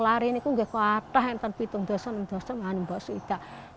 lalu kami pilih tempat yang lebih mudah dan mudah dari mana untuk berada di sana